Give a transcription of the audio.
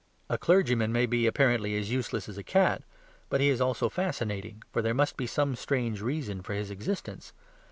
A clergyman may be apparently as useless as a cat, but he is also as fascinating, for there must be some strange reason for his existence.